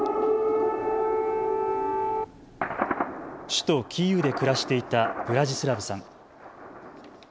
首都キーウで暮らしていたブラジスラブさん。